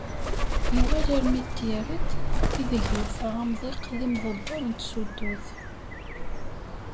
Yuɣal armi d Tyaret ideg yufa amḍiq d imḍebber n tsuddut.